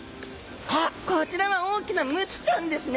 あっこちらは大きなムツちゃんですね！